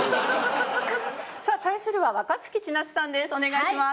さあ対するは若槻千夏さんです。